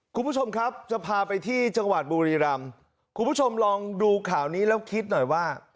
คุณผู้ชมครับจะพาไปที่จังหวัดบุรีรำคุณผู้ชมลองดูข่าวนี้แล้วคิดหน่อยว่า